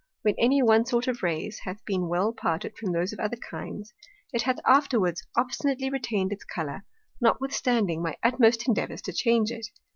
When any one sort of Rays hath been well parted from those of other kinds, it hath afterwards obstinately retain'd its Colour, notwithstanding my utmost Endeavours to change it.